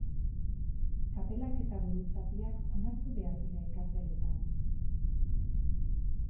Kapelak eta buruzapiak onartu behar dira ikasgeletan?